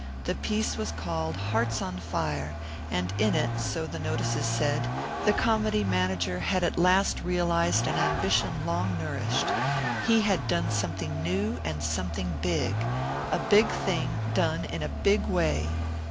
The piece was called Hearts On Fire, and in it, so the notices said, the comedy manager had at last realized an ambition long nourished. He had done something new and something big: a big thing done in a big way.